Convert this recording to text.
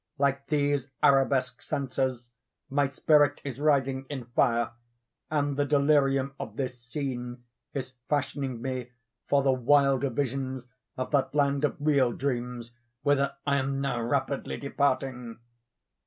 Like these arabesque censers, my spirit is writhing in fire, and the delirium of this scene is fashioning me for the wilder visions of that land of real dreams whither I am now rapidly departing."